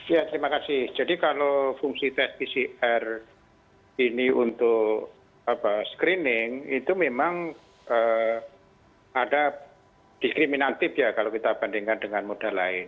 ya terima kasih jadi kalau fungsi tes pcr ini untuk screening itu memang ada diskriminatif ya kalau kita bandingkan dengan modal lain